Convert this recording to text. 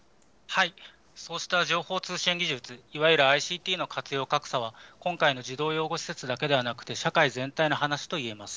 そうした情報通信技術、いわゆるＩＣＴの活用格差は、今回の児童養護施設だけではなくて、社会全体の話といえます。